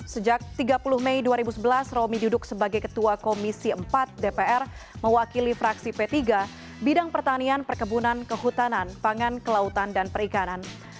sejak tiga puluh mei dua ribu sebelas romi duduk sebagai ketua komisi empat dpr mewakili fraksi p tiga bidang pertanian perkebunan kehutanan pangan kelautan dan perikanan